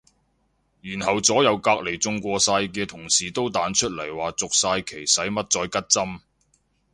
然後左右隔離中過晒嘅同事都彈出嚟話續晒期使乜再拮針